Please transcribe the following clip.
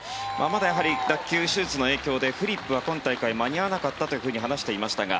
まだ、脱臼手術の影響でフリップは今大会は間に合わなかったと話していましたが